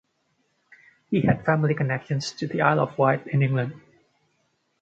He had family connections to the Isle of Wight in England.